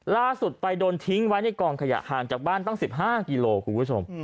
ล่าสุดไปโดนทิ้งไว้ในกองขยะห่างจากบ้านตั้ง๑๕กิโลคุณผู้ชม